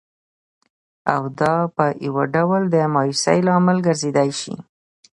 او دا په یوه ډول د مایوسۍ لامل ګرځېدای شي